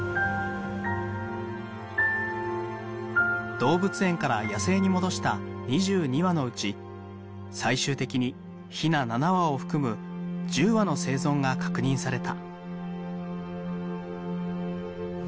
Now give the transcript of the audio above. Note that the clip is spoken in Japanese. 動物園から野生に戻した２２羽のうち最終的にひな７羽を含む１０羽の生存が確認された。